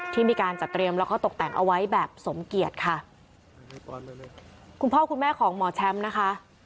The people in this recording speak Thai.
ที่มีการจัดเตรียมแล้วก็ตกแต่งเอาไว้แบบสมเกียจค่ะคุณพ่อคุณแม่ของหมอแชมป์นะคะ